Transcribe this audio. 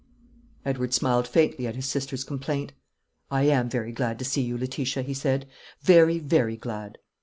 Edward smiled faintly at his sister's complaint. "I am very glad to see you, Letitia," he said; "very, very glad."